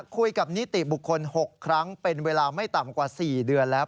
นิติบุคคล๖ครั้งเป็นเวลาไม่ต่ำกว่า๔เดือนแล้ว